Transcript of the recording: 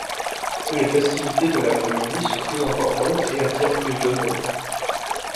Les festivités de l’après-midi sont plus importantes et attirent plus de monde.